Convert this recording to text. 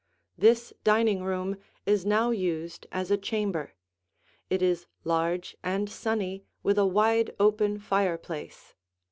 This dining room is now used as a chamber; it is large and sunny with a wide open fireplace.